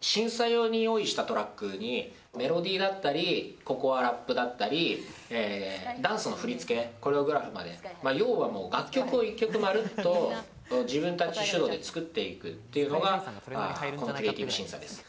審査用に用意したトラックにメロディーだったり、ラップだったり、ダンスの振り付け、コレオグラフまで要は楽曲を一曲、丸っと自分たち主導で作っていくというのがクリエイティブ審査です。